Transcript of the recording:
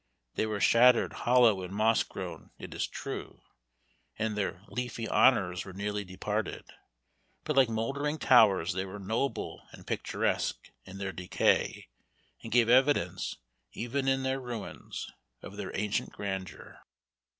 They were shattered, hollow, and moss grown, it is true, and their "leafy honors" were nearly departed; but like mouldering towers they were noble and picturesque in their decay, and gave evidence, even in their ruins, of their ancient grandeur.